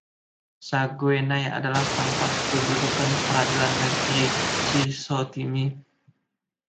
Saguenay adalah tempat kedudukan peradilan negeri Chicoutimi.